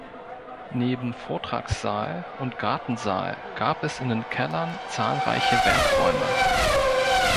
Neben Vortragssaal und Gartensaal gab es in den Kellern zahlreiche Werkräume.